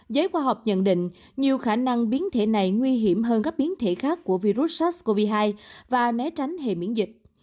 giới khoa học nhận định nhiều khả năng biến thể này nguy hiểm hơn các biến thể khác của virus sars cov hai và né tránh hệ miễn dịch